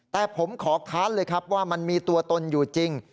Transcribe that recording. แต่ผมขอค้านเลยครับว่ามันมีตัวตนอยู่จริง